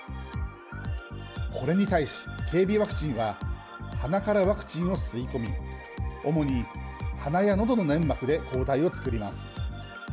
これに対し、経鼻ワクチンは鼻からワクチンを吸い込み主に、鼻やのどの粘膜で抗体をつくります。